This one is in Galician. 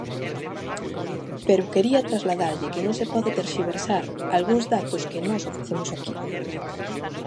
Pero quería trasladarlle que non se pode terxiversar algúns datos que nós ofrecemos aquí.